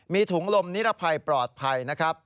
มีถุงลมนิรภัยปลอดภัยนะครับ